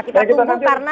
kita tunggu karena